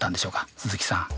鈴木さん。